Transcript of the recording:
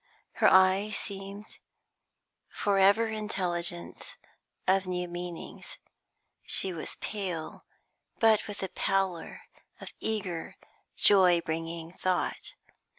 Her eyes seemed for ever intelligent of new meanings; she was pale, but with the pallor of eager, joy bringing thought.